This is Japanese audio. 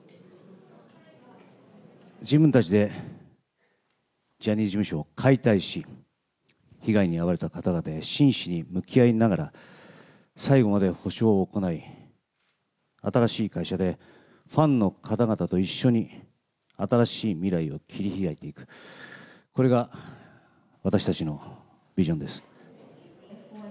自分たちでジャニーズ事務所を解体し、被害に遭われた方々へ真摯に向き合いながら、最後まで補償を行い、新しい会社でファンの方々と一緒に、新しい未来を切り開いていく、これが私たちのビジョンです。